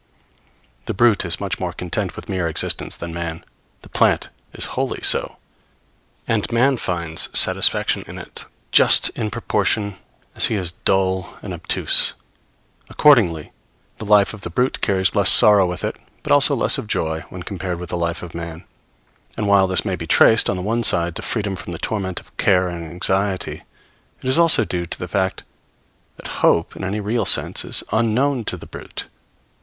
The brute is much more content with mere existence than man; the plant is wholly so; and man finds satisfaction in it just in proportion as he is dull and obtuse. Accordingly, the life of the brute carries less of sorrow with it, but also less of joy, when compared with the life of man; and while this may be traced, on the one side, to freedom from the torment of care and anxiety, it is also due to the fact that hope, in any real sense, is unknown to the brute.